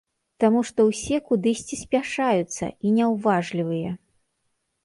Таму што ўсе кудысьці спяшаюцца, і няўважлівыя.